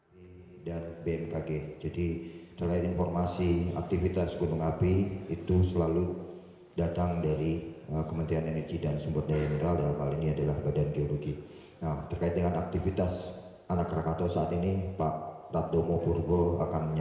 windy cahya dalam keterangan tertulisnya mengalami kenaikan status dari pengamatan aktivitas vulkanik di pulau sertung